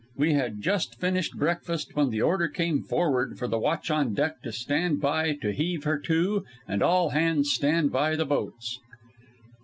We had just finished breakfast when the order came forward for the watch on deck to stand by to heave her to and all hands stand by the boats.